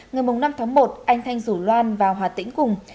ngày năm tháng một anh thanh rủ loan vào hà tĩnh cùng